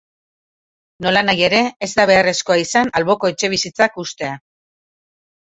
Nolanahi ere, ez da beharrezkoa izan alboko etxebizitzak hustea.